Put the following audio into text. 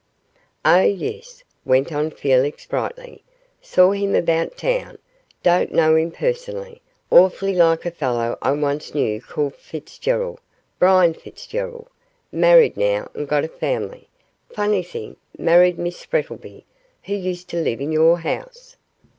'Oh! yes,' went on Felix, brightly, 'saw him about town don't know him personally; awfully like a fellow I once knew called Fitzgerald Brian Fitzgerald married now and got a family; funny thing, married Miss Frettlby, who used to live in your house.